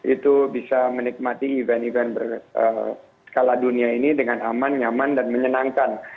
itu bisa menikmati event event berkala dunia ini dengan aman nyaman dan menyenangkan